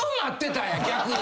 逆に。